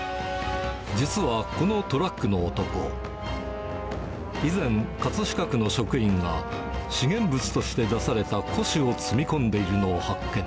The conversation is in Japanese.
実はこのトラックの男、以前、葛飾区の職員が資源物として出された古紙を積み込んでいるのを発見。